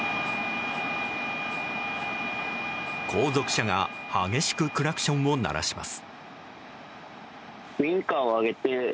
後続車が激しくクラクションを鳴らします。